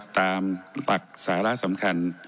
ตามหลักสาระสำคัญ